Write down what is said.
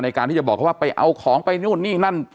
ในการที่จะบอกเขาว่าไปเอาของไปนู่นนี่นั่น